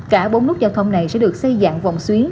cả bốn nút giao thông này sẽ được xây dựng vòng xuyến